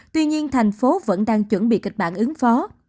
tuy nhiên thành phố vẫn đang chuẩn bị kịch bản ứng phó